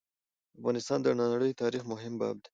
افغانستان د نړی د تاریخ مهم باب دی.